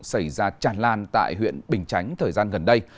xảy ra tràn lan tại huyện bình chánh thời gian gần đây